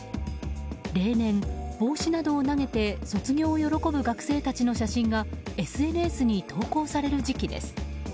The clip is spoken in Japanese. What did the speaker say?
例年、帽子などを投げて卒業を喜ぶ学生などの写真がＳＮＳに投稿される時期です。